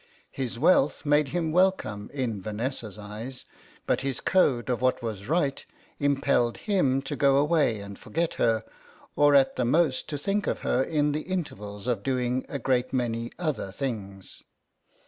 His wealth made him welcome in Vanessa's eyes, but his code of what was right impelled him to go away and forget her, or at the most to think of her in the intervals of doing a great many other things.